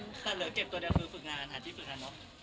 แต่เหลือเก็บตัวเดียวคือฝึกงานค่ะที่ฝึกงานเนอะ